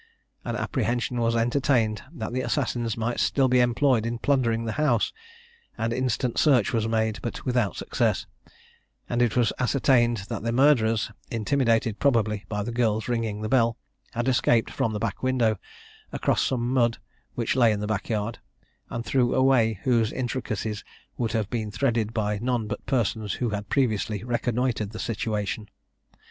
An apprehension was entertained that the assassins might still be employed in plundering the house, and instant search was made, but without success; and it was ascertained that the murderers, intimidated probably by the girl's ringing the bell, had escaped from the back window, across some mud which lay in the back yard, and through a way whose intricacies could have been threaded by none but persons who had previously reconnoitred the situation.